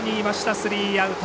スリーアウト。